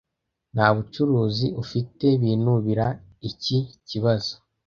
Nta bucuruzi ufite binubira iki kibazo.